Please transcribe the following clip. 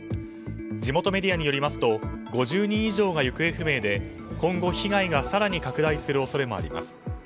地元メディアによりますと５０人以上が行方不明で今後被害が更に拡大する恐れもあります。